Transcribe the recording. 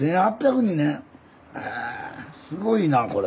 えすごいなこれ。